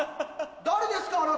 誰ですか？